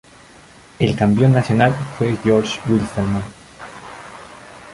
El Campeón Nacional fue Jorge Wilstermann.